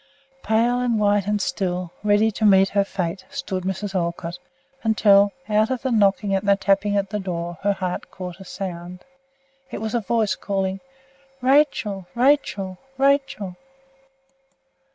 Pale and white and still, ready to meet her fate, stood Mrs. Olcott, until, out of the knocking and the tapping at her door, her heart caught a sound. It was a voice calling, "Rachel! Rachel! Rachel!"